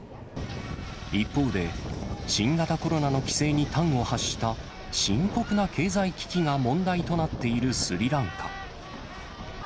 一方で、新型コロナの規制に端を発した深刻な経済危機が問題となっているスリランカ。